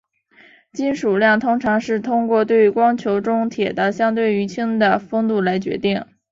金属量通常是通过对光球中铁的相对于氢的丰度来决定。